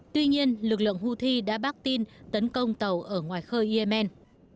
tuy nhiên lực lượng houthi đã bác tin tấn công tàu ở ngoài khơi yemen